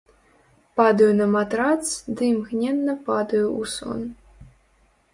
Падаю на матрац ды імгненна падаю ў сон.